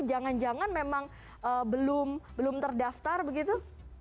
jangan jangan memang belum terdaftar begitu